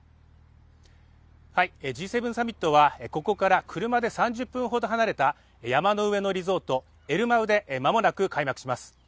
Ｇ７サミットは、ここから車で３０分ほど離れた山の上のリゾート・エルマウで間もなく開幕します。